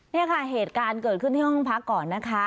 นี่ค่ะเหตุการณ์เกิดขึ้นที่ห้องพักก่อนนะคะ